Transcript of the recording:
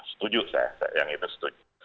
setuju saya yang itu setuju